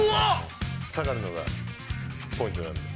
下がるのがポイントなんです。